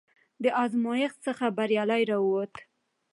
د ازمېښت څخه بریالی راووت،